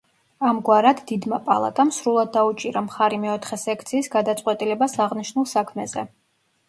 ამგვარად, დიდმა პალატამ სრულად დაუჭირა მხარი მეოთხე სექციის გადაწყვეტილებას აღნიშნულ საქმეზე.